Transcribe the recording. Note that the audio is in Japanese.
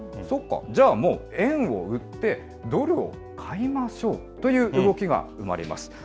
そっか、じゃあもう円を売って、ドルを買いましょうという動きが生まれます。